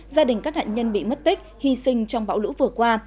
gia đình các nạn nhân bị mất tích hy sinh trong bão lũ vừa qua